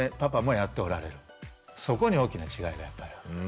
そこに大きな違いがやっぱりある。